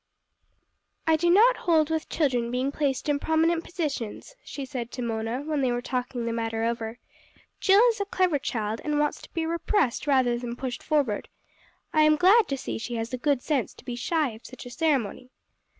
"I do not hold with children being placed in prominent positions," she said to Mona when they were talking the matter over. "Jill is a clever child, and wants to be repressed rather than pushed forward. I am glad to see she has the good sense to be shy of such a ceremony."